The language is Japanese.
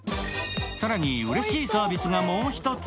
更にうれしいサービスがもう一つ。